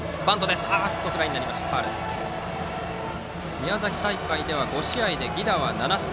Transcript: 宮崎大会では５試合で犠打は７つ。